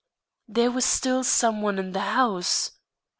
There was still some one in the house.